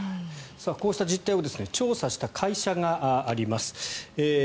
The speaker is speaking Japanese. こうした実態を調査した会社があります。